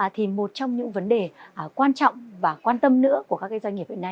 thì một trong những vấn đề quan trọng và quan tâm nữa của các doanh nghiệp hiện nay